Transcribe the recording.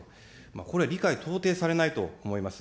これ、理解、とうていされないと思います。